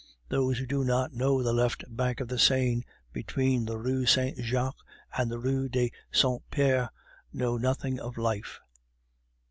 Those who do not know the left bank of the Seine between the Rue Saint Jacques and the Rue des Saints Peres know nothing of life.